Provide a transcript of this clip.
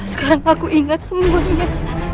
sekarang aku ingat semuanya